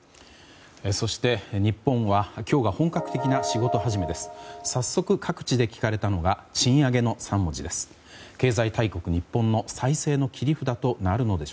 そして、日本は今日が本格的な仕事始めです。